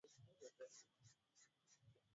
Mwanasiasa Mroma Gaius Plinius Caecilius Secundus